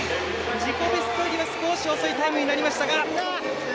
自己ベストよりは少し遅いタイムになりました。